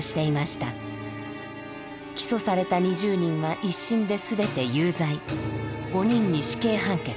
起訴された２０人は１審で全て有罪５人に死刑判決。